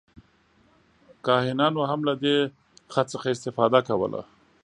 کاهنانو هم له دې خط څخه استفاده کوله.